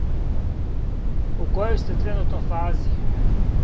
У којој сте тренутно фази?